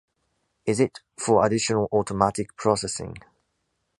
Is it for additional automatic processing?